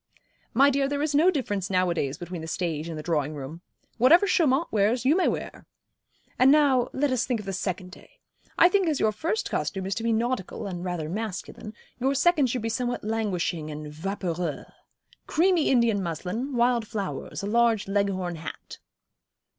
'My dear, there is no difference nowadays between the stage and the drawing room. Whatever Chaumont wears you may wear. And now let us think of the second day. I think as your first costume is to be nautical, and rather masculine, your second should be somewhat languishing and vaporeux. Creamy Indian muslin, wild flowers, a large Leghorn hat.'